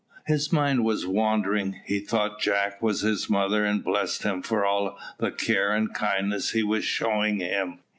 His mind was wandering. He thought Jack was his mother, and blessed him for all the care and kindness he was showing him.